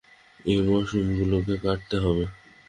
এই মাশরুমগুলো কাটতে হবে।